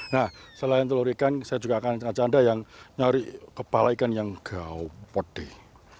nah selain telur ikan saya juga akan ajak anda yang nyari kepala ikan yang gau pedih